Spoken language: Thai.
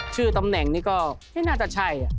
ชื่อตำแหน่งนี่ก็ไม่น่าจะใช่